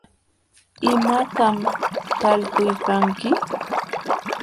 ¿imatam talpuykanki?